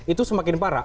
itu semakin parah